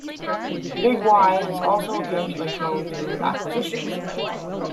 Big Y has also occasionally grown through acquisitions.